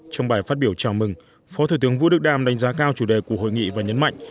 trong bài phát biểu chào mừng phó thủ tướng vũ đức đam đánh giá cao chủ đề của hội nghị và nhấn mạnh